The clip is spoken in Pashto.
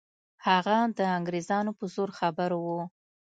هغه د انګریزانو په زور خبر وو.